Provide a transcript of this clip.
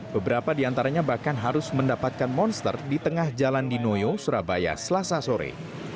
beberapa di antaranya bahkan harus mendapatkan monster di tengah jalan di noyo surabaya selasa sore